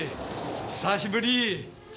久しぶり！